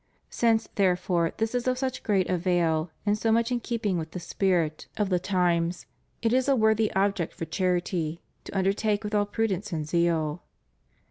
Since, therefore, this is of such great avail and so much in keeping with the spirit »Mfttt vL 2. CHRISTIAN DEMOCRACY. 489 of the times, it is a worthy object for charity to undertake with all prudence and zeal.